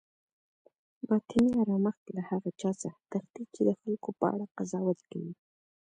باطني آرامښت له هغه چا څخه تښتي چی د خلکو په اړه قضاوت کوي